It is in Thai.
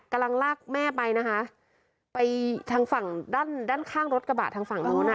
กำลังลากแม่ไปนะคะไปทางฝั่งด้านด้านข้างรถกระบะทางฝั่งโน้นอ่ะ